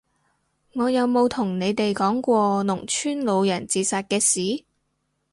我有冇同你哋講過農村老人自殺嘅事？